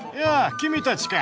君たちか。